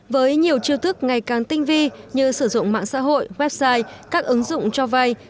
với nhiều chiêu thức ngày càng tinh vi như sử dụng mạng xã hội website các ứng dụng cho vay